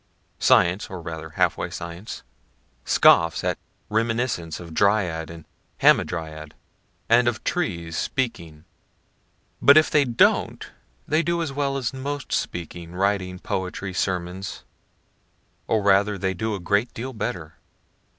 Science (or rather half way science) scoffs at reminiscence of dryad and hamadryad, and of trees speaking. But, if they don't, they do as well as most speaking, writing, poetry, sermons or rather they do a great deal better.